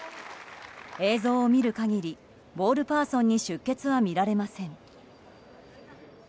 映像を見る限りボールパーソンに出血は見られません。